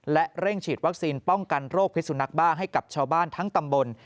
และเร่งฉีดวัคซีนป้องกันโรคพิสุนักบ้าให้กับชาวบ้านทั้งตำบล